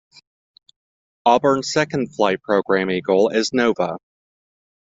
Auburn's second Flight program eagle is Nova.